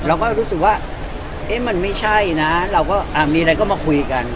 เราก็รู้สึกว่าเอ๊ะมันไม่ใช่นะเราก็มีอะไรก็มาคุยกัน